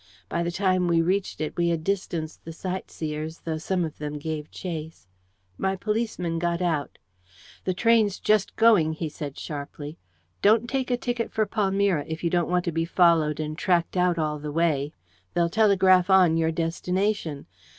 By the time we reached it we had distanced the sightseers, though some of them gave chase. My policeman got out. "The train's just going!" he said sharply. "Don't take a ticket for Palmyra, if you don't want to be followed and tracked out all the way. They'll telegraph on your destination.